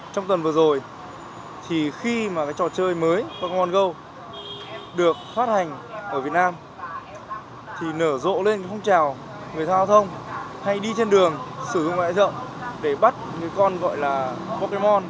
trong tuần vừa rồi thì khi mà cái trò chơi mới pokemon go được phát hành ở việt nam thì nở rộ lên phong trào người thao thông hay đi trên đường sử dụng loại dựng để bắt những con gọi là pokemon